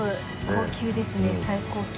高級ですね最高級。